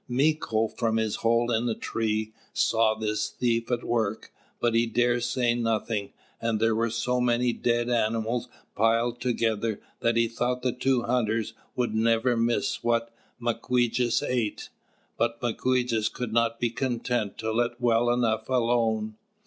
Mīko, from his hole in the tree, saw this thief at work; but he dared say nothing, and there were so many dead animals piled together that he thought the two hunters would never miss what Mawquejess ate. But Mawquejess could not be content to let well enough alone.